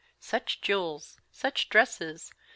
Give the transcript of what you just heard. Such jewels! such dresses!